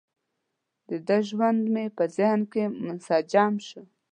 دده ژوند مې په ذهن کې مجسم شو.